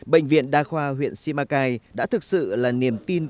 bệnh viện đa khoa huyện simacai đã thực sự là niềm tin